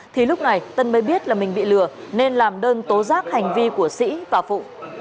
thì lúc này tân mới biết là mình bị lừa nên làm đơn tố giác hành vi của sĩ và phụ